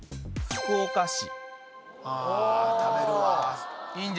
福岡市